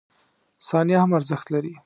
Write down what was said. • ثانیه هم ارزښت لري.